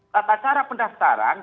tata cara pendaftaran